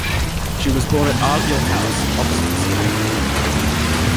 She was born at Argyll House, Oxford Street, London.